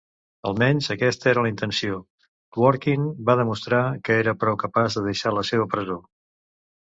Almenys, aquesta era la intenció: Dworkin va demostrar que era prou capaç de deixar la seva presó.